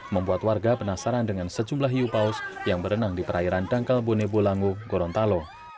membuat warga penasaran dengan sejumlah hiu paus yang berenang di perairan dangkal bone bolango gorontalo